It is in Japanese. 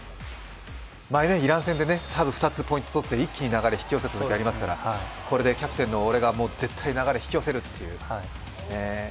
前、イラン戦でサーブ２つ取って一気に流れを引き寄せたことがありますからこれでキャプテンの俺が絶対流れを引き寄せるっていう。